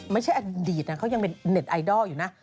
ไม่ใช่อดีตเค้ายังเด็ดไอดอลอยู่นะ